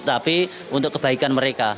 tapi untuk kebaikan mereka